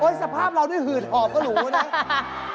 โอ้ยสภาพเราด้วยหืดหอบก็หรูนะ